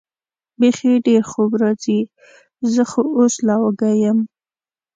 بېخي ډېر خوب راځي، زه خو اوس لا وږی یم.